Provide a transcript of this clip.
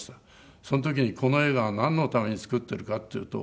その時にこの映画はなんのために作ってるかっていうと。